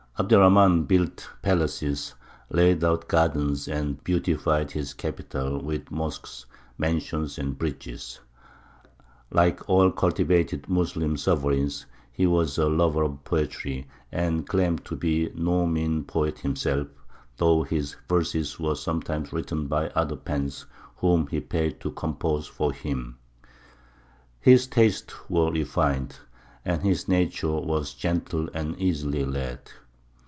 Abd er Rahmān built palaces, laid out gardens, and beautified his capital with mosques, mansions, and bridges. Like all cultivated Moslem sovereigns, he was a lover of poetry, and claimed to be no mean poet himself, though his verses were sometimes written by other pens whom he paid to compose for him. His tastes were refined, and his nature was gentle and easily led.